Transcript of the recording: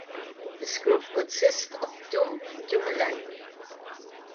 This group consists of two tumuli.